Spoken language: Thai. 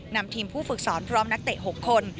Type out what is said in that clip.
นำทีมผู้ฝึกสอนพร้อมนักเตะ๖คน